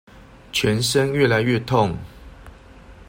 全身越來越痛